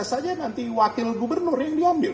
saja nanti wakil gubernur yang diambil